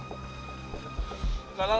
lalu lo mau ke mana kal